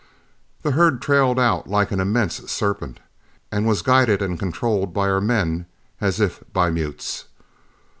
The herd trailed out like an immense serpent, and was guided and controlled by our men as if by mutes.